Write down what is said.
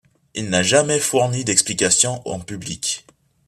Il n'a jamais fourni d'explications en public.